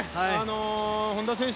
本多選手